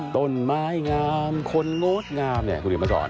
ต้นไม้งามคนโง่ดงามเนี่ยคุณลืมมาก่อน